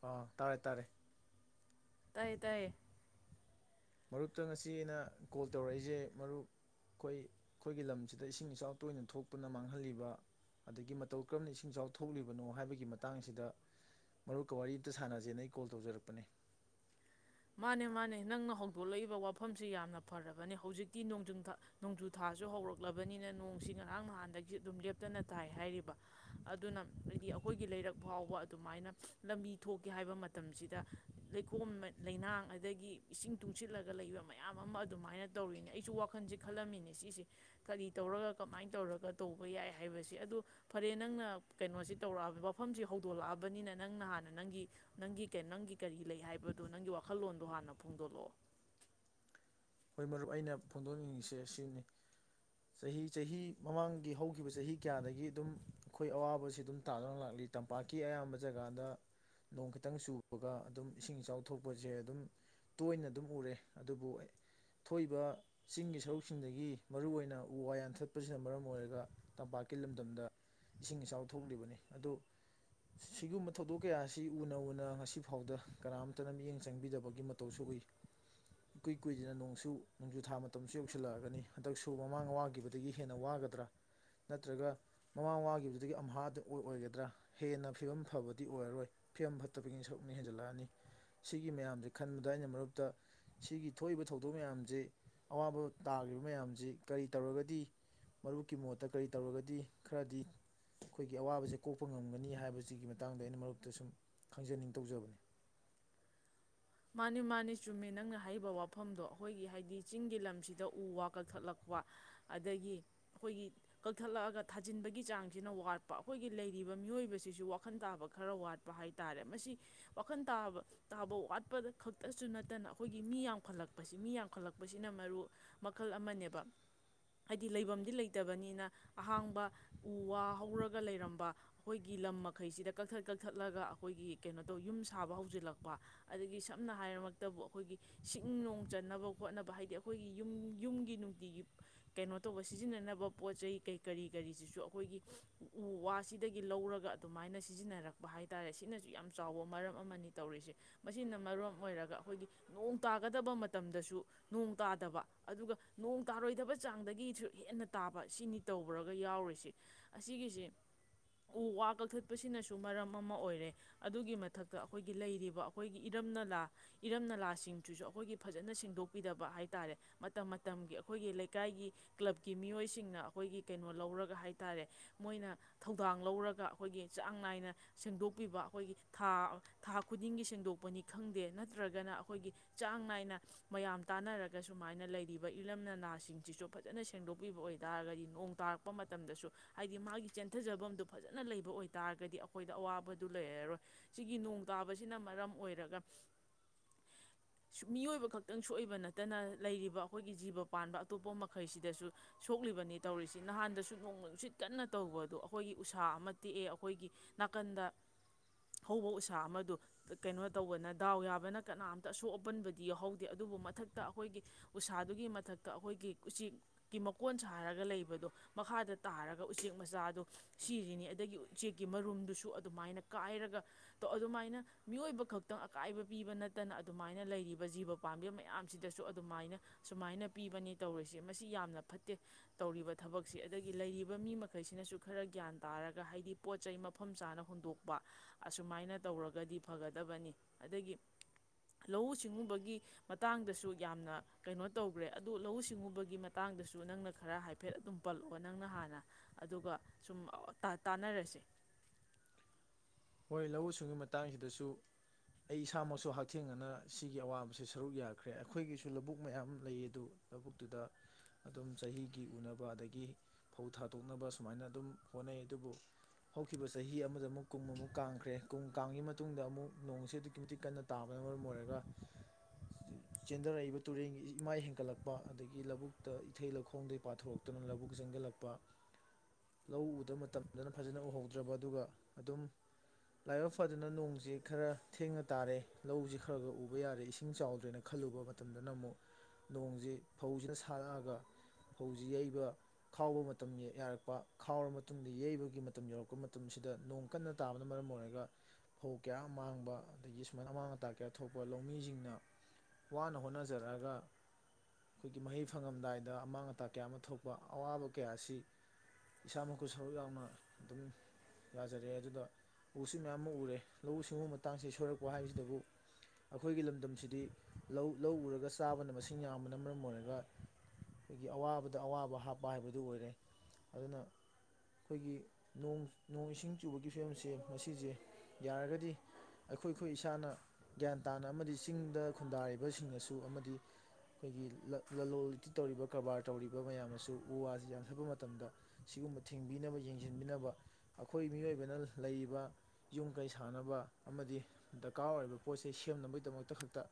ꯑ ꯇꯥꯔꯦ ꯇꯥꯔꯦ ꯇꯥꯏꯌꯦ ꯇꯥꯏꯌꯦ ꯃꯔꯨꯞꯇ ꯉꯁꯤ ꯑꯩꯅ ꯀꯣꯜ ꯇꯧꯔꯛꯏꯖꯦ ꯃꯔꯨꯞ ꯑꯩꯈꯣꯏ ꯑꯩꯈꯣꯏꯒꯤ ꯂꯝꯁꯤꯗ ꯏꯁꯤꯡ ꯏꯆꯥꯎ ꯇꯣꯏꯅ ꯊꯣꯛꯇꯨꯅ ꯃꯥꯡꯍꯜꯂꯤꯕ ꯑꯗꯒꯤ ꯃꯇꯧ ꯀꯔꯝꯅ ꯏꯁꯤꯡ ꯏꯆꯥꯎ ꯊꯣꯛꯂꯤꯕꯅꯣ ꯍꯥꯏꯕꯒꯤ ꯃꯇꯥꯡꯁꯤꯗ ꯃꯔꯨꯞꯀ ꯋꯥꯔꯤꯝꯇꯥ ꯁꯥꯟꯅꯖꯦꯅ ꯑꯩ ꯀꯣꯜ ꯇꯧꯖꯔꯛꯄꯅꯦ ꯃꯥꯅꯦ ꯃꯥꯅꯦ ꯅꯪꯅ ꯍꯧꯗꯣꯛꯂꯛꯏꯕ ꯋꯥꯐꯝꯁꯤ ꯌꯥꯝꯅ ꯐꯔꯕꯅꯦ ꯍꯧꯖꯤꯛꯇꯤ ꯅꯣꯡꯖꯨꯟꯊꯥ ꯅꯣꯡꯖꯨ ꯊꯥꯁꯨ ꯍꯧꯔꯛꯂꯕꯅꯤꯅ ꯅꯣꯡꯁꯤ ꯉꯔꯥꯡ ꯅꯍꯥꯟꯗꯒꯤꯖꯨ ꯑꯗꯨꯝ ꯂꯦꯞꯇꯅ ꯇꯥꯏ ꯍꯥꯏꯔꯤꯕ ꯑꯗꯨꯅ ꯑꯩꯗꯤ ꯑꯩꯈꯣꯏꯒꯤ ꯂꯩꯔꯛ ꯐꯥꯎꯕ ꯑꯗꯨꯃꯥꯏꯅ ꯂꯝꯕꯤ ꯊꯣꯛꯀꯦ ꯍꯥꯏꯕ ꯃꯇꯝꯁꯤꯗ ꯂꯩꯈꯣꯝ ꯃꯌ- ꯂꯩꯅꯥꯡ ꯑꯗꯒꯤ ꯏꯁꯤꯡ ꯇꯨꯡꯁꯤꯜꯂꯒ ꯂꯩꯕ ꯃꯌꯥꯝ ꯑꯃ ꯑꯗꯨꯃꯥꯏꯅ ꯇꯧꯔꯤꯅꯦ ꯑꯩꯁꯨ ꯋꯥꯈꯜꯁꯦ ꯈꯜꯂꯝꯃꯤꯅꯦ ꯁꯤꯁꯦ ꯀꯔꯤ ꯇꯧꯔꯒ ꯀꯃꯥꯏꯟ ꯇꯧꯔꯒ ꯇꯧꯕ ꯌꯥꯏ ꯍꯥꯏꯕꯁꯤ ꯑꯗꯣ ꯐꯔꯦ ꯅꯪꯅ ꯀꯩꯅꯣꯁꯤ ꯇꯧꯔꯛꯑꯕ ꯋꯥꯐꯝꯁꯤ ꯍꯧꯗꯣꯛꯂꯛꯑꯕꯅꯤꯅ ꯅꯪꯅ ꯍꯥꯟꯅ ꯅꯪꯒꯤ ꯅꯪꯒꯤ ꯀꯩꯅ ꯅꯪꯒꯤ ꯀꯔꯤ ꯂꯩ ꯍꯥꯏꯕ ꯑꯗꯣ ꯅꯪꯒꯤ ꯋꯥꯈꯜꯂꯣꯟꯗꯣ ꯍꯥꯟꯅ ꯐꯣꯡꯗꯣꯛꯂꯛꯑꯣ- ꯍꯣꯏ ꯃꯔꯨꯞ ꯑꯩꯅ ꯐꯣꯡꯗꯣꯛꯅꯤꯡꯉꯤꯁꯦ ꯁꯤꯅꯤ ꯆꯍꯤ ꯆꯍꯤ ꯃꯃꯥꯡꯒꯤ ꯍꯧꯈꯤꯕ ꯆꯍꯤ ꯀꯌꯥꯗꯒꯤ ꯑꯗꯨꯝ ꯑꯩꯈꯣꯏ ꯑꯋꯥꯕꯁꯤ ꯑꯗꯨꯝ ꯇꯥꯗꯨꯅ ꯂꯥꯛꯂꯤ ꯇꯝꯄꯥꯛꯀꯤ ꯑꯌꯥꯝꯕ ꯖꯒꯥꯗ ꯅꯣꯡ ꯈꯤꯇꯪ ꯆꯨꯕꯒ ꯑꯗꯨꯝ ꯏꯁꯤꯡ ꯏꯆꯥꯎ ꯊꯣꯛꯄꯖꯦ ꯑꯗꯨꯝ ꯇꯣꯏꯅ ꯑꯗꯨꯝ ꯎꯔꯦ ꯑꯗꯨꯕꯨ ꯑꯩ- ꯊꯣꯛꯏꯕ ꯆꯤꯡꯒꯤ ꯁꯔꯨꯛꯁꯤꯡꯗꯒꯤ ꯃꯔꯨꯑꯣꯏꯅ ꯎ ꯋꯥ ꯌꯥꯟꯊꯠꯄꯖꯤꯅ ꯃꯔꯝ ꯑꯣꯏꯔꯒ ꯇꯝꯄꯥꯛꯀꯤ ꯂꯝꯗꯝꯗ ꯏꯁꯤꯡ ꯏꯆꯥꯎ ꯊꯣꯛꯂꯤꯕꯅꯤ ꯑꯗꯨ ꯁꯤꯒꯨꯝꯕ ꯊꯧꯗꯣꯛ ꯀꯌꯥ ꯑꯁꯤ ꯎꯅ ꯎꯅ ꯉꯁꯤ ꯐꯥꯎꯗ ꯀꯅꯥꯝꯇꯅ ꯃꯤꯠꯌꯦꯡ ꯆꯪꯕꯤꯗꯕꯒꯤ ꯃꯇꯧꯁꯨ ꯎꯏ ꯏꯀꯨꯏ ꯀꯨꯏꯗꯅ ꯅꯣꯡꯁꯨꯨ ꯅꯣꯡꯖꯨ ꯊꯥ ꯃꯇꯝꯁꯨ ꯌꯧꯁꯤꯜꯂꯛꯑꯒꯅꯤ ꯍꯟꯇꯛꯁꯨ ꯃꯃꯥꯡ ꯋꯥꯒꯤꯕꯗꯒꯤ ꯍꯦꯟꯅ ꯋꯥꯒꯗ꯭ꯔꯥ ꯅꯠꯇ꯭ꯔꯒ ꯃꯃꯥꯡ ꯋꯥꯒꯤꯕꯗꯨꯗꯒꯤ ꯑꯝꯍꯥꯗ ꯑꯣꯏ ꯑꯣꯏꯒꯗ꯭ꯔꯥ ꯍꯦꯟꯅ ꯐꯤꯕꯝ ꯐꯕꯗꯤ ꯑꯣꯏꯔꯔꯣꯏ ꯐꯤꯕꯝ ꯐꯠꯇꯕꯒꯤ ꯁꯔꯨꯛꯅ ꯍꯦꯟꯖꯜꯂꯛꯑꯅꯤ ꯁꯤꯒꯤ ꯃꯌꯥꯝꯖꯦ ꯈꯟꯕꯗ ꯑꯩꯅ ꯃꯔꯨꯞꯇ ꯁꯤꯒꯤ ꯊꯣꯛꯏꯕ ꯊꯧꯗꯣꯛ ꯃꯌꯥꯝꯖꯤ ꯑꯋꯥꯕ ꯇꯥꯒ꯭ꯔꯤꯕ ꯃꯌꯥꯝꯖꯤ ꯀꯔꯤ ꯇꯧꯔꯒꯗꯤ ꯃꯔꯨꯞꯀꯤ ꯃꯣꯠꯇ ꯀꯔꯤ ꯇꯧꯔꯒꯗꯤ ꯈꯔꯗꯤ ꯑꯩꯈꯣꯏꯒꯤ ꯑꯋꯥꯕꯖꯦ ꯀꯣꯛꯄ ꯉꯝꯒꯅꯤ ꯍꯥꯏꯕꯁꯤꯒꯤ ꯃꯇꯥꯡꯗ ꯑꯩꯅ ꯃꯔꯨꯞꯇ ꯁꯨꯝ ꯈꯪꯖꯅꯤꯡ ꯇꯧꯖꯕꯅꯤ ꯃꯥꯅꯦ ꯃꯥꯅꯦ ꯆꯨꯝꯃꯦ ꯅꯪꯅ ꯍꯥꯏꯔꯤꯕ ꯋꯥꯐꯝꯗꯣ ꯑꯩꯈꯣꯏꯒꯤ ꯍꯥꯏꯗꯤ ꯆꯤꯡꯒꯤ ꯂꯝꯁꯤꯗ ꯎ ꯋꯥ ꯀꯛꯊꯠꯂꯛꯄ ꯑꯗꯒꯤ ꯑꯩꯈꯣꯏꯒꯤ ꯀꯛꯊꯠꯂꯛꯑꯒ ꯊꯥꯖꯤꯟꯕꯒꯤ ꯆꯥꯡꯖꯤꯅ ꯋꯥꯠꯄ ꯑꯩꯈꯣꯏꯒꯤ ꯂꯩꯔꯤꯕ ꯃꯤꯑꯣꯏꯕꯁꯤꯁꯨ ꯋꯥꯈꯟ ꯇꯥꯕ ꯈꯔ ꯋꯥꯠꯄ ꯍꯥꯏꯇꯥꯔꯦ ꯃꯁꯤ ꯋꯥꯈꯟ ꯇꯥꯕ ꯇꯥꯕ ꯋꯥꯠ ꯄꯗ ꯈꯛꯇꯁꯨ ꯅꯠꯇꯅ ꯑꯩꯈꯣꯏꯒꯤ ꯃꯤ ꯌꯥꯝꯈꯠꯂꯛꯄꯁꯤ ꯃꯤ ꯌꯥꯝꯈꯠꯂꯛꯄꯁꯤꯅ ꯃꯔꯨ ꯃꯈꯜ ꯑꯃꯅꯦꯕ ꯍꯥꯏꯗꯤ ꯂꯩꯕꯝꯗꯤ ꯂꯩꯇꯕꯅꯤꯅ ꯑꯍꯥꯡꯕ ꯎ ꯋꯥ ꯍꯧꯔꯒ ꯂꯩꯔꯝꯕ ꯑꯩꯈꯣꯏꯒꯤ ꯂꯝ ꯃꯈꯩꯁꯤꯗ ꯀꯛꯊꯠ ꯀꯛꯊꯠꯂꯒ ꯑꯩꯈꯣꯏꯒꯤ ꯀꯩꯅꯣ ꯇꯧ ꯌꯨꯝ ꯁꯥꯕ ꯍꯧꯖꯤꯜꯂꯛꯄ ꯑꯗꯒꯤ ꯁꯝꯅ ꯍꯥꯏꯔꯕꯃꯛꯇꯕꯨ ꯑꯩꯈꯣꯏꯒꯤ ꯁꯤꯡ ꯅꯨꯡ ꯆꯟꯅꯕ ꯈꯣꯠꯅꯕ ꯍꯥꯏꯗꯤ ꯑꯩꯈꯣꯏꯒꯤ ꯌꯨꯝ- ꯌꯨꯝꯒꯤ ꯅꯨꯡꯇꯤꯒꯤ ꯀꯩꯅꯣ ꯇꯧꯕ ꯁꯤꯖꯤꯟꯅꯅꯕ ꯄꯣꯠ ꯆꯩ ꯀꯩ ꯀꯔꯤ ꯀꯔꯤꯁꯤꯁꯨ ꯑꯩꯈꯣꯏꯒꯤ ꯎ ꯋꯥꯁꯤꯗꯒꯤ ꯂꯧꯔꯒ ꯑꯗꯨꯃꯥꯏꯅ ꯁꯤꯖꯤꯟꯅꯔꯛꯄ ꯍꯥꯏ ꯇꯥꯔꯦ ꯁꯤꯅꯁꯨ ꯌꯥꯝ ꯆꯥꯎꯕ ꯃꯔꯝ ꯑꯃꯅꯤ ꯇꯧꯔꯤꯁꯦ ꯃꯁꯤꯅ ꯃꯔꯝ ꯑꯣꯏꯔꯒ ꯑꯩꯈꯣꯏꯒꯤ ꯅꯣꯡ ꯇꯥꯒꯗꯕ ꯃꯇꯝꯗꯁꯨ ꯅꯣꯡ ꯇꯥꯗꯕ ꯑꯗꯨꯒ ꯅꯣꯡ ꯇꯥꯔꯣꯏꯗꯕ ꯆꯥꯡꯗꯒꯤꯁꯨ ꯍꯦꯟꯅ ꯇꯥꯕ ꯁꯤꯅꯤ ꯇꯧꯕ꯭ꯔꯒ ꯌꯥꯎꯔꯤꯁꯤ ꯑꯁꯤꯒꯤꯁꯤ ꯎ ꯋꯥ ꯀꯛꯊꯠꯄꯁꯤꯅꯁꯨ ꯃꯔꯝ ꯑꯃ ꯑꯣꯏꯔꯦ ꯑꯗꯨꯒꯤ ꯃꯊꯛꯇ ꯑꯩꯈꯣꯏꯒꯤ ꯂꯩꯔꯤꯕ ꯑ- ꯑꯩꯈꯣꯏꯒꯤ ꯏꯔꯝ ꯅꯂꯥ ꯏꯔꯝ ꯅꯂꯥꯁꯤꯡꯁꯤꯁꯨ ꯑꯩꯈꯣꯏꯒꯤ ꯐꯖꯅ ꯁꯦꯡꯗꯣꯛꯄꯤꯗꯕ ꯍꯥꯏ ꯇꯥꯔꯦ ꯃꯇꯝ ꯃꯇꯝꯒꯤ ꯑꯩꯈꯣꯏꯒꯤ ꯂꯩꯀꯥꯏꯒꯤ ꯀ꯭ꯂꯕꯀꯤ ꯃꯤꯑꯣꯏꯁꯤꯡꯅ ꯑꯩꯈꯣꯏꯒꯤ ꯀꯩꯅꯣ ꯂꯧꯔꯒ ꯍꯥꯏ ꯇꯥꯔꯦ ꯃꯣꯏꯅ ꯊꯧꯗꯥꯡ ꯂꯧꯔꯒ ꯑꯩꯈꯣꯏꯒꯤ ꯆꯥꯡ ꯅꯥꯏꯅ ꯁꯦꯡꯗꯣꯛꯄꯤꯕ ꯑꯩꯈꯣꯏꯒꯤ ꯊꯥ-ꯊꯥ ꯈꯨꯗꯤꯡꯒꯤ ꯁꯦꯡ ꯗꯣꯛꯄꯅꯤ ꯈꯪꯗꯦ ꯅꯠꯇ꯭ꯔꯒꯅ ꯑꯩꯈꯣꯏꯒꯤ ꯆꯥꯡ ꯅꯥꯏꯅ ꯃꯌꯥꯝ ꯇꯥꯟꯅꯔꯒ ꯁꯨꯃꯥꯏꯅ ꯂꯩꯔꯤꯕ ꯏꯔꯝ ꯅꯂꯥꯁꯤꯡꯁꯤꯁꯨ ꯐꯖꯅ ꯁꯦꯡꯗꯣꯛꯄꯤꯕ ꯑꯣꯏꯇꯥꯔꯒꯗꯤ ꯅꯣꯡ ꯇꯥꯔꯛꯄ ꯃꯇꯝꯗꯁꯨ ꯍꯥꯏꯗꯤ ꯃꯥꯒꯤ ꯆꯦꯟꯊꯖꯐꯝꯗꯨ ꯐꯖꯅ ꯂꯩꯕ ꯑꯣꯏꯇꯥꯥꯔꯒꯗꯤ ꯑꯩꯈꯣꯏꯗ ꯑꯋꯥꯕꯗꯨ ꯂꯩꯔꯔꯣꯏ ꯁꯤꯒꯤ ꯅꯣꯡ ꯇꯥꯕꯁꯤꯅ ꯃꯔꯝ ꯑꯣꯏꯔꯒ-ꯃꯤꯑꯣꯏꯕ ꯈꯛꯇꯪ ꯁꯣꯛꯏꯕ ꯅꯠꯇꯅ ꯂꯩꯔꯤꯕ ꯑꯩꯈꯣꯏꯒꯤ ꯖꯤꯕ ꯄꯥꯟꯕ ꯑꯇꯣꯞꯄ ꯃꯈꯩꯁꯤꯗꯁꯨ ꯁꯣꯛꯂꯤꯕꯅꯤ ꯇꯧꯔꯤꯁꯤ ꯅꯍꯥꯟꯗꯁꯨ ꯅꯣꯡ ꯅꯨꯡꯁꯤꯠ ꯀꯟꯅ ꯇꯧꯕꯗꯣ ꯑꯩꯈꯣꯏꯒꯤ ꯎꯁꯥ ꯑꯃ ꯇꯦꯛꯑꯦ ꯑꯩꯈꯣꯏꯒꯤ ꯅꯥꯀꯟꯗ ꯍꯧꯕ ꯎꯁꯥ ꯑꯃꯗꯣ ꯀꯩꯅꯣ ꯇꯧꯕꯅ ꯗꯥꯎ ꯌꯥꯕꯅ ꯀꯅꯥꯝꯇ ꯑꯁꯣꯛ ꯑꯄꯟꯕꯨꯗꯤ ꯌꯥꯎꯍꯧꯗꯦ ꯑꯗꯨꯕꯨ ꯃꯊꯛꯇ ꯑꯩꯈꯣꯏꯒꯤ ꯎꯁꯥꯗꯨꯒꯤ ꯃꯊꯛꯇ ꯑꯩꯈꯣꯏꯒꯤ ꯎꯆꯦꯛꯀꯤ ꯃꯀꯣꯟ ꯁꯥꯔꯒ ꯂꯩꯕꯗꯣ ꯃꯈꯥꯗ ꯇꯥꯔꯒ ꯎꯆꯦꯛ ꯃꯆꯥꯗꯣ ꯁꯤꯔꯤꯅꯤ ꯑꯗꯒꯤ ꯎꯆꯦꯛꯀꯤ ꯃꯔꯨꯝꯗꯨꯁꯨ ꯑꯗꯨꯃꯥꯏꯅ ꯀꯥꯏꯔꯒ ꯇꯣ ꯑꯗꯨꯃꯥꯏꯅ ꯃꯤꯑꯣꯏꯕ ꯈꯛꯇꯪ ꯑꯀꯥꯏꯕ ꯄꯤꯕ ꯅꯠꯇꯅ ꯑꯗꯨꯃꯥꯏꯅ ꯂꯩꯔꯤꯕ ꯖꯤꯕ ꯄꯥꯝꯕꯤ ꯃꯌꯥꯝꯁꯤꯗꯁꯨ ꯑꯗꯨꯃꯥꯏꯅ ꯁꯨꯃꯥꯏꯅ ꯄꯤꯕꯅꯤ ꯇꯧꯔꯤꯁꯦ ꯃꯁꯤ ꯌꯥꯝꯅ ꯐꯠꯇꯦ ꯇꯧꯔꯤꯕ ꯊꯕꯛꯁꯦ ꯑꯗꯒꯤ ꯂꯩꯔꯤꯕ ꯃꯤ ꯃꯈꯩꯁꯤꯅꯁꯨ ꯈꯔ ꯒ꯭ꯌꯥꯟ ꯇꯥꯔꯒ ꯍꯥꯏꯗꯤ ꯄꯣꯠ ꯆꯩ ꯃꯐꯝ ꯆꯥꯅ ꯍꯨꯟꯗꯣꯛꯄ ꯑꯁꯨꯃꯥꯏꯅ ꯇꯧꯔꯒꯗꯤ- ꯐꯒꯗꯕꯅꯤ ꯑꯗꯒꯤ ꯂꯧꯎ ꯁꯤꯡꯎꯕꯒꯤ ꯃꯇꯥꯡꯗꯁꯨ ꯌꯥꯝꯅ ꯀꯩꯅꯣ ꯇꯧꯒ꯭ꯔꯦ ꯑꯗꯨ ꯂꯧꯎ ꯁꯤꯡꯎꯕꯒꯤ ꯃꯇꯥꯡꯗꯁꯨ ꯅꯪꯅ ꯈꯔ ꯍꯥꯏꯐꯦꯠ ꯑꯗꯨꯝ ꯄꯜꯂꯛꯑꯣ ꯅꯪꯅ ꯍꯥꯟꯅ ꯑꯗꯨꯒ ꯁꯨꯝ ꯑ-ꯑ--ꯇꯥꯟ ꯇꯥꯟꯅꯔꯁꯦ ꯍꯣꯏ ꯂꯧꯎ ꯁꯤꯡꯎ ꯃꯇꯥꯡꯁꯤꯗꯁꯨ ꯑꯩ ꯏꯁꯥꯃꯛꯁꯨ ꯍꯛꯊꯦꯡꯅꯅ ꯁꯤꯒꯤ ꯑꯋꯥꯕꯁꯦ ꯁꯔꯨꯛ ꯌꯥꯈ꯭ꯔꯦ ꯑꯩꯈꯣꯏꯒꯤꯁꯨ ꯂꯧꯕꯨꯛ ꯃꯌꯥꯝ ꯂꯩꯌꯦ ꯑꯗꯨ ꯂꯧꯕꯨꯛꯇꯨꯗ ꯑꯗꯨꯝ ꯆꯍꯤꯒꯤ ꯎꯅꯕ ꯑꯗꯒꯤ ꯐꯧ ꯊꯥꯗꯣꯛꯅꯕ ꯁꯨꯃꯥꯏꯅ ꯑꯗꯨꯝ ꯍꯣꯠꯅꯩ ꯑꯗꯨꯕꯨ ꯍꯧꯈꯤꯕ ꯆꯍꯤ ꯑꯃꯗ ꯑꯃꯨꯛ ꯀꯨꯝꯃꯃꯨꯛ ꯀꯥꯡꯈ꯭ꯔꯦ ꯀꯨꯝ ꯀꯥꯡꯉꯤ ꯃꯇꯨꯡꯗ ꯑꯃꯨꯛ ꯅꯣꯡꯁꯦ ꯑꯗꯨꯛꯀꯤ ꯃꯇꯤꯛ ꯀꯟꯅ ꯇꯥꯕꯅ ꯃꯔꯝ ꯑꯣꯏꯔꯒ ꯆꯦꯟꯊꯔꯛꯏꯕ ꯇꯨꯔꯦꯟꯒꯤ ꯏꯃꯥꯏ ꯍꯦꯟꯒꯠꯂꯛꯄ ꯑꯗꯒꯤ ꯂꯧꯕꯨꯛꯇ ꯏꯊꯩ ꯂꯧꯈꯣꯡꯗꯒꯤ ꯄꯥꯊꯣꯔꯛꯇꯨꯅ ꯂꯧꯕꯨꯛ ꯆꯦꯟꯖꯤꯜꯂꯛꯄ ꯂꯧ ꯎꯗꯕ ꯃꯇꯝꯗꯅ ꯐꯖꯅ ꯎꯍꯧꯗ꯭ꯔꯕ ꯑꯗꯨꯒ ꯑꯗꯨꯝ ꯂꯥꯏꯕꯛ ꯐꯗꯅ ꯅꯣꯡꯁꯤ ꯈꯔ ꯊꯦꯡꯅ ꯇꯥꯔꯦ ꯂꯧꯁꯤ ꯈꯔ ꯈꯔ ꯎꯕ ꯌꯥꯔꯦ ꯏꯁꯤꯡ ꯆꯥꯎꯗ꯭ꯔꯦꯅ ꯈꯜꯂꯨꯕ ꯃꯇꯝꯗꯅ ꯑꯃꯨꯛ ꯅꯣꯡꯁꯤ ꯐꯧꯁꯤꯅ ꯁꯥꯠꯂꯛꯑꯒ ꯐꯧꯁꯤ ꯌꯩꯕ ꯈꯥꯎꯕ ꯃꯇꯝ ꯌꯥꯔꯛꯄ ꯈꯥꯎꯔ ꯃꯇꯝꯗ ꯌꯩꯕꯒꯤ ꯃꯇꯝ ꯌꯧꯔꯛꯄ ꯃꯇꯝꯁꯤꯗ ꯅꯣꯡ ꯀꯟꯅ ꯇꯥꯕꯅ ꯃꯔꯝ ꯑꯣꯏꯔꯒ ꯐꯧ ꯀꯌꯥ ꯑꯃ ꯃꯥꯡꯕ ꯑꯗꯒꯤ ꯁꯨꯃꯥꯏꯅ ꯑꯃꯥꯡ ꯑꯇꯥ ꯀꯌꯥ ꯊꯣꯛꯄ ꯂꯧꯃꯤꯁꯤꯡꯅ ꯋꯥꯅ ꯍꯣꯠꯅꯖꯔꯛꯑꯒ ꯑꯩꯈꯣꯏꯒꯤ ꯃꯍꯩ ꯐꯪꯉꯝꯗꯥꯏꯗ ꯑꯃꯥꯡ ꯑꯇꯥ ꯀꯌꯥ ꯑꯃ ꯊꯣꯛꯄ ꯑꯋꯥꯕ ꯀꯌꯥ ꯑꯁꯤ ꯏꯁꯥꯃꯛꯁꯨ ꯁꯔꯨꯛ ꯌꯥꯎꯅ ꯑꯗꯨꯝ ꯌꯥꯖꯔꯛꯑꯦ ꯑꯗꯨꯒ ꯎꯁꯨ ꯃꯌꯥꯝ ꯑꯃ ꯎꯔꯦ ꯂꯧꯎ ꯁꯤꯡꯎ ꯃꯇꯥꯡꯁꯦ ꯁꯣꯏꯔꯛꯄ ꯍꯥꯏꯕꯁꯤꯗꯕꯨ ꯑꯩꯈꯣꯏꯒꯤ ꯂꯝꯗꯝꯁꯤꯗꯤ ꯂꯧ- ꯂꯧ ꯎꯔꯒ ꯆꯥꯕꯅ ꯃꯁꯤꯡ ꯌꯥꯝꯕꯅ ꯃꯔꯝ ꯑꯣꯏꯔꯒ ꯑꯩꯈꯣꯏꯒꯤ ꯑꯋꯥꯕꯗ ꯑꯋꯥꯕ ꯍꯥꯞꯄ ꯍꯥꯏꯕꯗꯨ ꯑꯣꯏꯔꯦ ꯑꯗꯨꯅ ꯑꯩꯈꯣꯏꯒꯤ ꯅꯣꯡ-ꯅꯣꯡ ꯏꯁꯤꯡ ꯆꯨꯕꯒꯤ ꯐꯤꯕꯝꯁꯦ ꯃꯁꯤꯁꯦ ꯌꯥꯔꯒꯗꯤ ꯑꯩꯈꯣꯏꯈꯣꯏ ꯏꯁꯥꯅ ꯒ꯭ꯌꯥꯟ ꯇꯥꯅ ꯑꯃꯗꯤ ꯆꯤꯡꯗ ꯈꯨꯟꯗꯥꯔꯤꯕꯁꯤꯡꯅꯁꯨ ꯑꯃꯗꯤ ꯑꯩꯈꯣꯏꯒꯤ ꯂ-ꯂꯂꯣꯟ ꯏꯇꯤꯛ ꯇꯧꯔꯤꯕ ꯀꯔꯕꯥꯔ ꯇꯧꯔꯤꯕ ꯃꯌꯥꯝꯅꯁꯨ ꯎ ꯋꯥꯁꯤ ꯌꯥꯟꯊꯠꯄ ꯃꯇꯝꯗ ꯁꯤꯒꯨꯝꯕ ꯊꯤꯡꯕꯤꯅꯕ ꯌꯦꯡꯁꯤꯟꯕꯤꯅꯕ ꯑꯩꯈꯣꯏ ꯃꯤꯑꯣꯏꯕꯅ ꯂꯩꯔꯤꯕ ꯌꯨꯝ-ꯀꯩ ꯁꯥꯟꯅꯕ ꯑꯃꯗꯤ ꯗꯔꯀꯥꯔ ꯑꯣꯏꯔꯤꯕ ꯄꯣꯠ ꯆꯩꯩ ꯁꯦꯝꯅꯕꯒꯤꯗꯃꯛꯇ ꯈꯛꯇ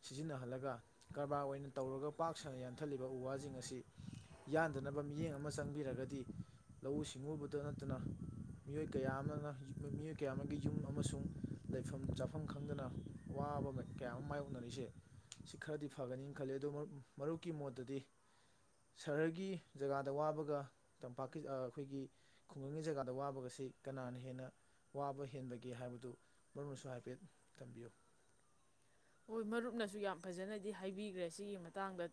ꯁꯤꯖꯤꯟꯅꯍꯜꯂꯒ ꯀꯔꯕꯥꯔ ꯑꯣꯏꯅ ꯇꯧꯔꯒ ꯄꯥꯛ ꯁꯟꯅ ꯌꯥꯟꯊꯠꯂꯤꯕ ꯎ- ꯋꯥꯁꯤꯡ ꯑꯁꯤ ꯌꯥꯟꯗꯅꯕ ꯃꯤꯠꯌꯦꯡ ꯑꯃ ꯆꯪꯕꯤꯔꯒꯗꯤ ꯂꯧꯎ ꯁꯤꯡꯎꯕꯗ ꯅꯠꯇꯅ ꯃꯤꯑꯣꯏ ꯀꯌꯥ ꯑꯃ ꯅ ꯃꯤꯑꯣꯏ ꯀꯌꯥ ꯑꯃꯒꯤ ꯌꯨꯝ ꯑꯃꯁꯨꯡ ꯂꯩꯐꯝ-ꯆꯥꯐꯝ ꯈꯪꯗꯅ ꯑꯋꯥꯕ ꯀꯌꯥ ꯑꯃ ꯃꯥꯥꯏꯌꯣꯛꯅꯔꯤꯁꯦ ꯁꯤ ꯈꯔꯗꯤ ꯐꯒꯅꯤꯅ ꯈꯜꯂꯤ ꯑꯗꯨꯨ ꯃꯔꯨꯞꯀꯤ ꯃꯣꯠꯇꯗꯤ ꯁꯍꯔꯒꯤ ꯖꯒꯥꯗ ꯋꯥꯕꯒ ꯇꯝꯄꯥꯛꯀꯤ ꯑꯩꯈꯣꯏꯒꯤ ꯈꯨꯡꯒꯪꯒꯤ ꯖꯒꯥꯗ ꯋꯥꯕꯒꯁꯤ ꯀꯅꯥꯅ ꯍꯦ ꯍꯦꯟꯅ ꯋꯥꯕ ꯍꯦꯟꯕꯒꯦ ꯍꯥꯏꯕꯗꯨ ꯃꯔꯨꯞꯅꯁꯨ ꯍꯥꯏꯐꯦꯠ ꯊꯝꯕꯤꯌꯨ ꯍꯣꯏ ꯃꯔꯨꯞꯅꯁꯨ ꯌꯥꯝ ꯐꯖꯅꯗꯤ ꯍꯥꯏꯕꯤꯒ꯭ꯔꯦ ꯁꯤꯒꯤ ꯃꯇꯥꯡꯗ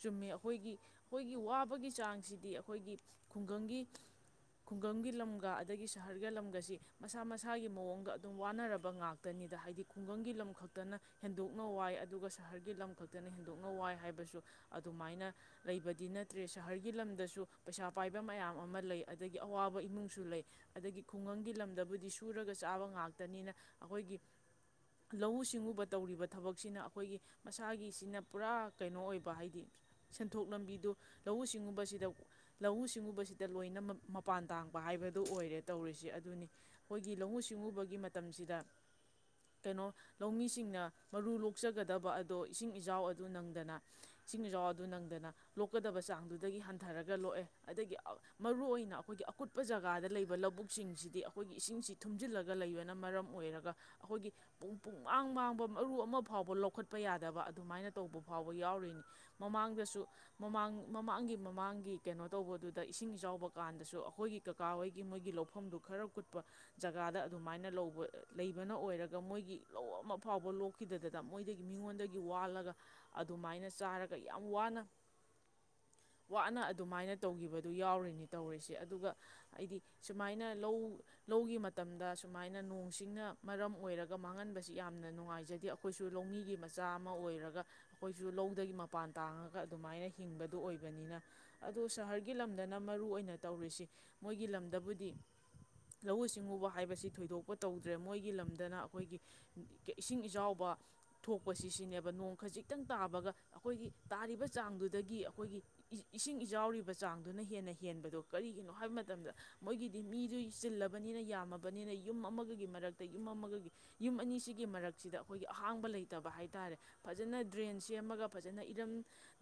ꯆꯨꯝꯃꯤ ꯑꯩꯈꯣꯏꯒꯤ-ꯑꯩꯈꯣꯏꯒꯤ ꯋꯥꯕꯒꯤ ꯆꯥꯡꯁꯤꯗꯤ ꯑꯩꯈꯣꯏꯒꯤ ꯈꯨꯡꯒꯪꯒꯤ-ꯈꯨꯡꯒꯪꯒꯤ ꯂꯝꯒ ꯑꯗꯒꯤ ꯁꯍꯔꯒꯤ ꯂꯝꯒꯁꯤ ꯃꯁꯥ-ꯃꯁꯥꯒꯤ ꯃꯑꯣꯡꯒ ꯑꯗꯨꯝ ꯋꯥꯅꯔꯕ ꯉꯥꯛꯇꯅꯤꯗ ꯍꯥꯏꯗꯤ ꯈꯨꯡꯒꯪꯒꯤ ꯂꯝ ꯈꯛꯇꯅ ꯍꯦꯟꯗꯣꯛꯅ ꯋꯥꯏ ꯑꯗꯨꯒ ꯁꯍꯔꯒꯤ ꯂꯝ ꯈꯛꯇꯅ ꯍꯦꯟꯗꯣꯛꯅ ꯋꯥꯏ ꯍꯥꯏꯕꯁꯨ ꯑꯗꯨꯃꯥꯏꯅ ꯂꯩꯕꯗꯤ ꯅꯠꯇ꯭ꯔꯦ ꯁꯍꯔꯒꯤ ꯂꯝꯗꯁꯨ ꯄꯩꯁꯥ ꯄꯥꯏꯕ ꯃꯌꯥꯝ ꯑꯃ ꯂꯩ ꯑꯗꯒꯤ ꯑꯋꯥꯕ ꯏꯃꯨꯡꯁꯨ ꯂꯩ ꯑꯗꯒꯤ ꯈꯨꯡꯒꯪꯒꯤ ꯂꯝꯗꯕꯨꯗꯤ ꯁꯨꯔꯒ ꯆꯥꯕ ꯉꯥꯛꯇꯅꯤꯅ ꯑꯩꯈꯣꯏꯒꯤ ꯂꯧꯎ ꯁꯤꯡꯎꯕ ꯇꯧꯔꯤꯕ ꯊꯕꯛꯁꯤꯅ ꯑꯩꯈꯣꯏꯒꯤ ꯃꯁꯥꯒꯤꯁꯤꯅ ꯄꯨꯔꯥ ꯀꯩꯅꯣ ꯑꯣꯏꯕ ꯍꯥꯏꯗꯤ ꯁꯦꯟꯊꯣꯛ ꯂꯝꯕꯤꯗꯨ ꯂꯧꯎ ꯁꯤꯡꯎꯕꯁꯤꯗ ꯂꯧꯎ ꯁꯤꯡꯎꯕꯁꯤꯗ ꯂꯣꯏꯅꯃꯛ ꯃꯄꯥꯟ ꯇꯥꯡꯕ ꯍꯥꯏꯕꯗꯨ ꯑꯣꯏꯔꯦ ꯇꯧꯔꯤꯁꯦ ꯑꯗꯨꯅꯤ ꯑꯩꯈꯣꯏꯒꯤ ꯂꯧꯎ ꯁꯤꯡꯎꯕꯒꯤ ꯃꯇꯝꯁꯤꯗ ꯀꯩꯅꯣ ꯂꯧꯃꯤꯁꯤꯡꯅ ꯃꯔꯨ ꯂꯣꯛꯆꯒꯗꯕ ꯑꯗꯣ ꯏꯁꯤꯡ ꯏꯆꯥꯎ ꯑꯗꯨ ꯅꯪꯗꯅ ꯏꯁꯤꯡ ꯏꯆꯥꯎ ꯑꯗꯨ ꯅꯪꯗꯅ ꯂꯣꯛꯀꯗꯕ ꯆꯥꯡꯗꯨꯗꯒꯤ ꯍꯟꯊꯔꯒ ꯂꯣꯛꯑꯦ ꯑꯗꯒꯤ ꯃꯔꯨ ꯑꯣꯏꯅ ꯑꯩꯈꯣꯏꯒꯤ ꯑꯀꯨꯠꯄ ꯖꯒꯥꯗ ꯂꯩꯕ ꯂꯧꯕꯨꯛꯁꯤꯡꯁꯤꯗꯤ ꯑꯩꯈꯣꯏꯒꯤ ꯏꯁꯤꯡꯁꯤ ꯊꯨꯝꯖꯤꯜꯂꯒ ꯂꯩꯕꯅ ꯃꯔꯝ ꯑꯣꯏꯔꯒ ꯑꯩꯈꯣꯏꯒꯤ ꯄꯨꯡ-ꯄꯨꯡꯃꯥꯡ ꯃꯥꯡꯕ ꯃꯔꯨ ꯑꯃ ꯐꯥꯎꯕ ꯂꯧꯈꯠꯄ ꯌꯥꯗꯕ ꯑꯗꯨꯃꯥꯏꯅ ꯇꯧꯕ ꯐꯥꯎꯕ ꯌꯥꯎꯔꯤꯅꯤ ꯃꯃꯥꯡꯗꯁꯨ ꯃꯃꯥꯡ-ꯃꯃꯥꯡꯒꯤ ꯃꯃꯥꯡꯒꯤ ꯀꯩꯅꯣ ꯇꯧꯕꯗꯨꯗ ꯏꯁꯤꯡ ꯏꯆꯥꯎꯕ ꯀꯥꯟꯗꯁꯨ ꯑꯩꯈꯣꯏꯒꯤ ꯀꯀꯥ ꯍꯣꯏꯒꯤ ꯃꯣꯏꯒꯤ ꯂꯧꯐꯝꯗꯨ ꯈꯔ ꯀꯨꯠꯄ ꯖꯒꯥꯗ ꯑꯗꯨꯃꯥꯏꯅ ꯂꯧꯕ-ꯂꯩꯕꯅ ꯑꯣꯏꯔꯒ ꯃꯣꯏꯒꯤ ꯂꯧ ꯑꯃ ꯐꯥꯎꯕ ꯂꯣꯛꯄ ꯀꯨꯞꯈꯤꯗꯗꯗ ꯃꯣꯏꯗꯒꯤ ꯃꯤꯉꯣꯟꯗꯒꯤ ꯋꯥꯜꯂꯒ ꯑꯗꯨꯃꯥꯏꯅ ꯆꯥꯔꯒ ꯌꯥꯝ ꯋꯥꯅ-ꯋꯥꯅ ꯑꯗꯨꯃꯥꯏꯅ ꯇꯧꯒꯤꯕꯗꯨ ꯌꯥꯎꯔꯤꯅꯤ ꯇꯧꯔꯤꯁꯦ ꯑꯗꯨꯒ ꯑꯩꯏꯗꯤ ꯁꯨꯃꯥꯏꯅ ꯂꯧ-ꯂꯧꯒꯤ ꯃꯇꯝꯗ ꯁꯨꯃꯥꯏꯅ ꯅꯣꯡꯁꯤꯡꯅ ꯃꯔꯝ ꯑꯣꯏꯔꯒ ꯃꯥꯡꯍꯟꯕꯁꯤ ꯌꯥꯝꯅ ꯅꯨꯡꯉꯥꯏꯖ ꯗꯤ ꯑꯩꯈꯣꯏꯁꯨ ꯂꯧꯃꯤꯒꯤ ꯃꯆꯥ ꯑꯃ ꯑꯣꯏꯔꯒ ꯑꯩꯈꯣꯏꯁꯨ ꯂꯧꯗꯒꯤ ꯃꯄꯥꯟ ꯇꯥꯡꯉꯒ ꯑꯗꯨꯃꯥꯏꯅ ꯍꯤꯡꯕꯗꯨ ꯑꯣꯏꯕꯅꯤꯅ ꯑꯗꯨ ꯁꯍꯔꯒꯤ ꯂꯝꯗꯅ ꯃꯔꯨꯏ ꯑꯣꯏꯅ ꯇꯧꯔꯤꯁꯤ ꯃꯣꯏꯒꯤ ꯂꯝꯗꯕꯨꯗꯤ ꯂꯧꯎ ꯁꯤꯡꯎꯕ ꯍꯥꯏꯕꯁꯤ ꯊꯣꯏꯗꯣꯛꯄ ꯇꯧꯗ꯭ꯔꯦ ꯃꯣꯏꯒꯤ ꯂꯝꯗꯅ ꯑꯩꯈꯣꯏꯒꯤ ꯏꯁꯤꯡ ꯏꯖꯥꯎ ꯄꯥ-ꯊꯣꯛꯄꯁꯤ ꯁꯤꯅꯦꯕ ꯅꯣꯡ ꯈꯖꯤꯛꯇꯪ ꯇꯥꯕꯒ ꯑꯩꯈꯣꯏꯒꯤ ꯇꯥꯔꯤꯕ ꯆꯥꯡꯗꯨꯗꯒꯤ ꯑꯩꯈꯣꯏꯒꯤ ꯏꯁꯤꯡ ꯏꯆꯥꯎꯔꯤꯕ ꯆꯥꯡꯗꯨꯅ ꯍꯦꯟꯅ ꯍꯦꯟꯕꯗꯣ ꯀꯔꯤꯒꯤꯅꯣ ꯍꯥꯏꯕ ꯃꯇꯝꯗ ꯃꯣꯏꯒꯤꯗꯤ ꯃꯤꯗꯨ ꯆꯤꯜꯂꯕꯅꯤꯅ ꯌꯥꯝꯃꯕꯅꯤꯅ ꯌꯨꯝ ꯑꯃꯒꯒꯤ ꯃꯔꯛꯇ ꯌꯨꯝ ꯑꯃꯒꯒꯤ ꯌꯨꯝ ꯑꯅꯤꯁꯤꯒꯤ ꯃꯔꯛꯁꯤꯗ ꯑꯩꯈꯣꯏꯒꯤ ꯑꯍꯥꯡꯕ ꯂꯩꯇꯕ ꯍꯥꯏꯇꯥꯔꯦ ꯐꯖꯅ ꯗ꯭ꯔꯦꯟ ꯁꯦꯝꯃꯒ ꯐꯖꯅ ꯏꯔꯝ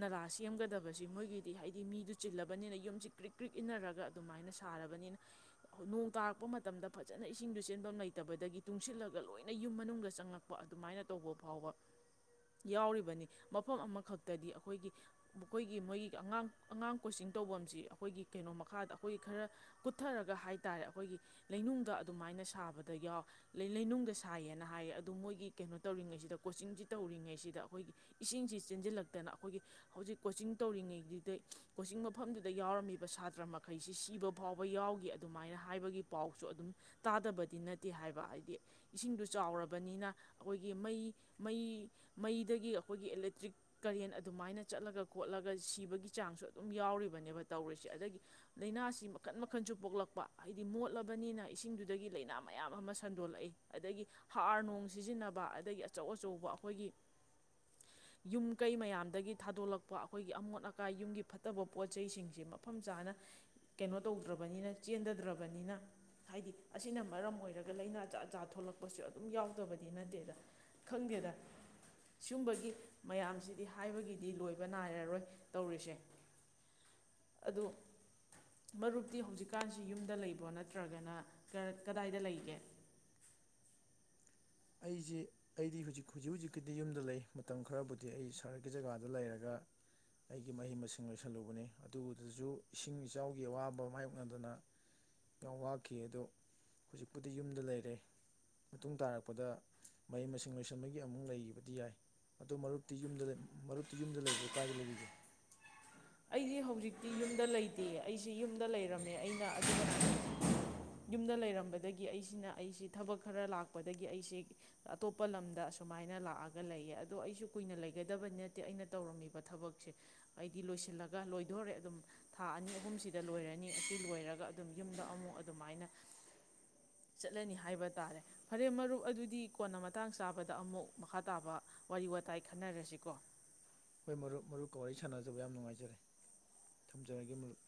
ꯅꯂꯥ ꯁꯦꯝꯒꯗꯕꯁꯤ ꯃꯣꯏꯒꯤꯗꯤ ꯍꯥꯏꯗꯤ ꯃꯤꯗꯨ ꯆꯤꯜꯂꯕꯅꯤꯅ ꯌꯨꯝꯁꯤ ꯀ꯭ꯔꯤꯛ ꯀ꯭ꯔꯤꯛ ꯏꯟꯅꯔꯒ ꯑꯗꯨꯃꯥꯏꯅ ꯁꯥꯔꯕꯅꯤꯅ ꯅꯣꯡ ꯇꯥꯔꯛꯄ ꯃꯇꯝꯗ ꯐꯖꯅ ꯏꯁꯤꯡꯗꯨ ꯆꯦꯟꯕꯝ ꯂꯩꯇꯕꯗꯒꯤ ꯇꯨꯡꯁꯤꯜꯂꯒ ꯂꯣꯏꯅ ꯌꯨꯝ ꯃꯅꯨꯡꯗ ꯆꯪꯉꯛ ꯑꯗꯨꯃꯥꯏꯅ ꯇꯧꯕ ꯐꯥꯎꯕ ꯌꯥꯎꯔꯤꯕꯅꯤ ꯃꯐꯝ ꯑꯃꯈꯛꯇꯗꯤ ꯑꯩꯈꯣꯏꯒꯤ ꯑꯩꯈꯣꯏꯒꯤ ꯃꯣꯏꯒꯤ ꯑꯉꯥꯡ ꯑꯉꯥꯡ ꯀꯣꯆꯤꯡ ꯇꯧꯕꯐꯝꯁꯤ ꯑꯩꯈꯣꯏꯒꯤ ꯀꯩꯅꯣ ꯃꯈꯥꯗ ꯑꯩꯈꯣꯏ ꯈꯔ ꯀꯨꯊꯔꯒ ꯍꯥꯏꯇꯔꯦ ꯑꯩꯈꯣꯏꯒꯤ ꯂꯩꯅꯨꯡꯗ ꯑꯗꯨꯃꯥꯏꯅ ꯁꯥꯕꯗ ꯌꯥꯎ ꯂꯩꯅꯨꯡꯗ ꯁꯥꯏꯌꯦꯅ ꯍꯥꯏꯌꯦ ꯑꯗꯨ ꯃꯣꯏꯒꯤ ꯀꯩꯅꯣ ꯇꯧꯔꯤꯉꯩꯁꯤꯗ ꯀꯣꯆꯤꯡꯁꯤ ꯇꯧꯔꯤꯉꯩꯁꯤꯗ ꯑꯩꯈꯣꯏꯒꯤ ꯏꯁꯤꯡꯁꯤ ꯆꯦꯟꯁꯤꯜꯂꯛꯇꯅ ꯑꯩꯈꯣꯏꯒꯤ ꯍꯧꯖꯤꯛ ꯀꯣꯆꯤꯡ ꯇꯧꯔꯤꯉꯩꯗꯨꯗ ꯀꯣꯆꯤꯡ ꯃꯐꯝꯗꯨꯗ ꯌꯥꯎꯔꯝꯃꯤꯕ ꯁꯥꯇ꯭ꯔ ꯃꯈꯩꯁꯤ ꯁꯤꯕ ꯐꯥꯎꯕ ꯌꯥꯎꯈꯤ ꯑꯗꯨꯃꯥꯏꯅ ꯍꯥꯏꯕꯒꯤ ꯄꯥꯎꯁꯨ ꯑꯗꯨꯝ ꯇꯥꯗꯕꯗꯤ ꯅꯠꯇꯦ ꯍꯥꯏꯕ ꯍꯥꯏꯗꯤ ꯏꯁꯤꯡꯗꯨ ꯆꯥꯎꯔ ꯅꯤꯅ ꯑꯩꯈꯣꯏꯒꯤ ꯃꯩ-ꯃꯩ-ꯃꯩꯗꯒꯤ ꯑꯩꯈꯣꯏꯒꯤ ꯑꯦꯂꯦꯛꯇ꯭ꯔꯤꯛ ꯀꯔꯦꯟ ꯑꯗꯨꯃꯥꯏꯅ ꯆꯠꯂꯒ ꯈꯣꯠꯂꯒ ꯁꯤꯕꯒꯤ ꯆꯥꯡꯁꯨ ꯑꯗꯨꯝ ꯌꯥꯎꯔꯤꯕꯅꯦꯕ ꯇꯧꯔꯤꯁꯦ ꯑꯗꯒꯤ ꯂꯩꯅꯥꯁꯤ ꯃꯈꯟ ꯃꯈꯟꯁꯨ ꯄꯣꯛꯂꯛꯄ ꯍꯥꯏꯗꯤ ꯃꯣꯠꯂꯕꯅꯤꯅ ꯏꯁꯤꯡꯗꯨꯗꯒꯤ ꯂꯩꯅꯥ ꯃꯌꯥꯝ ꯑꯃ ꯁꯟꯗꯣꯛꯂꯛꯏ ꯑꯗꯒꯤ ꯍꯥꯔ ꯅꯨꯡ ꯁꯤꯖꯤꯟꯅꯕ ꯑꯗꯒꯤ ꯑꯆꯧ-ꯑꯆꯧꯕ ꯑꯈꯣꯏꯒꯤ ꯌꯨꯝ ꯀꯩ ꯃꯌꯥꯝꯗꯒꯤ ꯊꯥꯗꯣꯛꯂꯛꯄ ꯑꯈꯣꯏꯒꯤ ꯑꯃꯣꯠ ꯑꯀꯥꯏ ꯌꯨꯝꯒꯤ ꯐꯠꯇꯕ ꯄꯣꯠ ꯆꯩ ꯁꯤꯡꯁꯤ ꯃꯐꯝ ꯆꯥꯅ ꯀꯩꯅꯣ ꯇꯧꯗ꯭ꯔꯕꯅꯤꯅ ꯆꯦꯟꯗꯗ꯭ꯔꯕꯅꯤꯅ ꯍꯥꯏꯗꯤ ꯑꯁꯤꯅ ꯃꯔꯝ ꯑꯣꯏꯔꯒ ꯂꯩꯥꯏꯅꯥ ꯖꯥꯠ-ꯖꯥꯠ ꯊꯣꯛꯂꯛꯄꯁꯨ ꯑꯗꯨꯝ ꯌꯥꯎꯗꯕꯗꯤ ꯅꯠꯇꯦꯗ ꯈꯪꯗꯦꯗ ꯁꯤꯒꯨꯝꯕꯒꯤ ꯃꯌꯥꯝꯁꯤꯗꯤ ꯍꯥꯏꯕꯒꯤꯗꯤ ꯂꯣꯏꯕ ꯅꯥꯏꯔꯔꯣꯏ ꯇꯧꯔꯤꯁꯦ ꯑꯗꯣ ꯃꯔꯨꯞꯇꯤ ꯍꯧꯖꯤꯛꯀꯥꯟꯁꯤ ꯌꯨꯝꯗ ꯂꯩꯕꯣ ꯅꯠꯇ꯭ꯔꯒꯅ ꯀꯗꯥꯏꯗ ꯂꯩꯒꯦ ꯑꯩꯁꯤ ꯑꯩꯗꯤ ꯍꯧꯖꯤꯛ-ꯍꯧꯖꯤꯛ ꯍꯧꯖꯤꯛꯀꯤꯗꯤ ꯌꯨꯝꯗ ꯂꯩ ꯃꯇꯝ ꯈꯔꯕꯨꯗꯤ ꯑꯩ ꯁꯍꯔꯒꯤ ꯖꯒꯥꯗ ꯂꯩꯔꯒ ꯑꯩꯒꯤ ꯃꯍꯩ ꯃꯁꯤꯡ ꯂꯣꯏꯁꯜꯂꯨꯕꯅꯤ ꯑꯗꯨꯒꯤꯗꯁꯨ ꯏꯁꯤꯡ ꯏꯆꯥꯎꯒꯤ ꯑꯋꯥꯕ ꯃꯥꯏꯌꯣꯛꯅꯗꯅ ꯌꯥꯝ ꯋꯥꯈꯤ ꯑꯗꯣ ꯍꯧꯖꯤꯛꯄꯨꯗꯤ ꯌꯨꯝꯗ ꯂꯩꯔꯦ ꯃꯇꯨꯡ ꯇꯥꯔꯛ ꯄꯗ ꯃꯍꯩ ꯃꯁꯤꯡ ꯂꯣꯏꯁꯟꯕꯒꯤ ꯑꯃꯨꯛ ꯂꯩꯒꯤꯕꯗꯤ ꯌꯥꯏ ꯑꯗꯨ ꯃꯔꯨꯞꯇꯤ ꯌꯨꯝꯗ ꯂꯩ ꯃꯔꯨꯞꯇꯤ ꯌꯨꯝꯗ ꯂꯩꯕ꯭ꯔꯣ ꯀꯥꯏꯗ ꯂꯩꯕꯤꯒꯦ? ꯑꯩꯗꯤ ꯍꯧꯖꯤꯛꯇꯤ ꯌꯨꯝꯗ ꯂꯩꯇꯤꯌꯦ ꯑꯩꯁꯤ ꯌꯨꯝꯗ ꯂꯩꯔꯝꯃꯦ ꯑꯩꯅ ꯑꯗꯨꯒ ꯌꯨꯝꯗ ꯂꯩꯔꯝꯕꯗꯒꯤ ꯑꯩꯁꯤꯅ ꯑꯩꯁꯤ ꯊꯕꯛ ꯈꯔ ꯂꯥꯛꯄꯗꯒꯤ ꯑꯩꯁꯤ ꯑꯇꯣꯞꯄ ꯂꯝꯗ ꯑꯁꯨꯃꯥꯏꯅ ꯂꯥꯛꯑꯒ ꯂꯩꯌꯦ ꯑꯗꯣ ꯑꯩꯁꯨ ꯀꯨꯏꯅ ꯂꯩꯒꯗꯕ ꯅꯠꯇꯦ ꯑꯩꯅ ꯇꯧꯔꯝꯃꯤꯕ ꯊꯕꯛꯁꯦ ꯑꯩꯗꯤ ꯂꯣꯏꯁꯤꯜꯂꯛ ꯒ ꯂꯣꯏꯗꯣꯔꯦ ꯑꯗꯨꯝ ꯊꯥ ꯑꯅꯤ-ꯑꯍꯨꯝꯁꯤꯗ ꯂꯣꯏꯔꯅꯤ ꯑꯁꯤ ꯂꯣꯏꯔꯒ ꯑꯗꯨꯝ ꯌꯨꯝꯗ ꯑꯃꯨꯛ ꯑꯗꯨꯃꯥꯏꯅ ꯆꯠꯂꯅꯤ ꯍꯥꯏꯕ ꯇꯥꯔꯦ ꯐꯔꯦ ꯃꯔꯨꯞ ꯑꯗꯨꯗꯤ ꯀꯣꯟꯅ ꯃꯇꯥꯡ ꯆꯥꯕꯗ ꯑꯃꯨꯛ ꯃꯈꯥ ꯇꯥꯕ ꯋꯥꯔꯤ ꯋꯥꯇꯥꯏ ꯈꯟꯅꯔꯁꯤꯀꯣ꯫ ꯍꯣꯏ ꯃꯔꯨꯞ ꯃꯔꯨꯞꯀ ꯋꯥꯔꯤ ꯁꯥꯟꯅꯖꯕ ꯌꯥꯝ ꯅꯨꯡꯉꯥꯏꯖꯔꯦ ꯊꯝꯖꯔꯒꯦ ꯃꯔꯨꯞ꯫